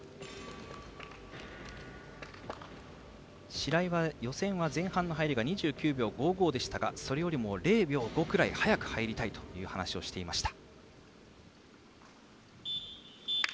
白井は予選は前半の入りは２９秒５５でしたがそれよりも０秒５くらい早く入りたいと話をしていました。